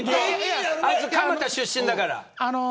あいつ蒲田出身だから。